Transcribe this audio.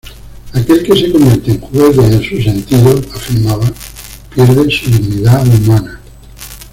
Aquel que se convierte en juguete de sus sentidos –afirmaba– pierde su dignidad humana.